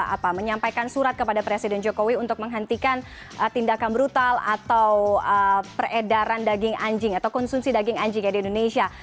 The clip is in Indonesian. apa menyampaikan surat kepada presiden jokowi untuk menghentikan tindakan brutal atau peredaran daging anjing atau konsumsi daging anjing ya di indonesia